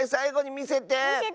みせて。